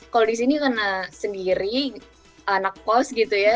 kalau di sini karena sendiri anak kos gitu ya